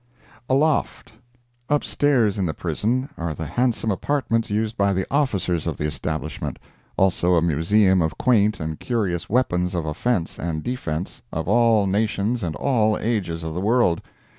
ALOFT Upstairs in the prison are the handsome apartments used by the officers of the establishment—also a museum of quaint and curious weapons of offense and defense, of all nations and all ages of the world.